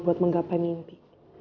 buat menggapain mimpi